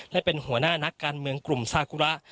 และเป็นหัวหน้านักการเมืองกลุ่มซากุระ